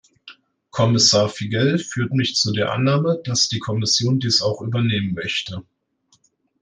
Kommissar Figel' führt mich zu der Annahme, dass die Kommission dies auch übernehmen möchte.